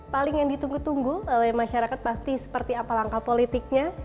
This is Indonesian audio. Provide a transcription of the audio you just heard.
paling yang ditunggu tunggu oleh masyarakat pasti seperti apa langkah politiknya